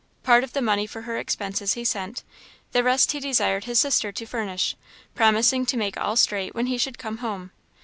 Part of the money for her expenses he sent; the rest he desired his sister to furnish, promising to make all straight when he should come home.